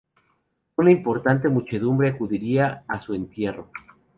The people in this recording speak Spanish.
Una importante muchedumbre acudiría a su entierro.